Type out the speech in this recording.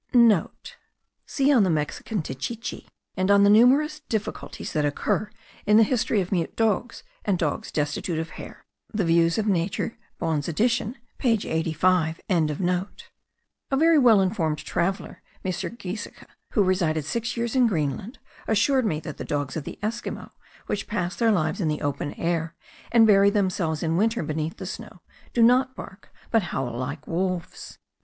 (* See on the Mexican techichi and on the numerous difficulties that occur in the history of mute dogs and dogs destitute of hair the Views of Nature Bohn's edition page 85.) A very well informed traveller, M. Giesecke, who resided six years in Greenland, assured me that the dogs of the Esquimaux, which pass their lives in the open air and bury themselves in winter beneath the snow, do not bark, but howl like wolves.